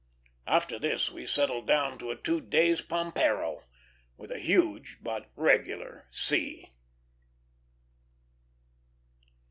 After this we settled down to a two days' pampero, with a huge but regular sea.